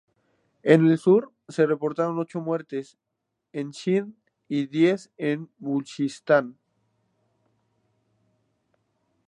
En el sur, se reportaron ocho muertes en Sindh y diez en Baluchistán.